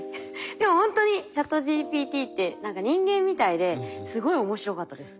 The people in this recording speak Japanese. でもほんとにＣｈａｔＧＰＴって何か人間みたいですごい面白かったです。